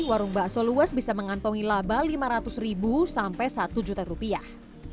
warung bakso luas bisa mengantongi laba lima ratus ribu sampai satu juta rupiah